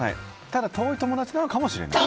ただ遠い友達なのかもしれない。